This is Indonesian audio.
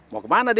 mau kemana dia